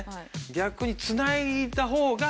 逆に繋いだ方が。